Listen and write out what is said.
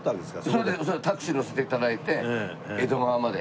それでタクシーに乗せて頂いて江戸川まで。